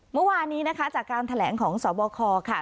เมื่อวานนี้นะคะจากการแถลงของสบคค่ะ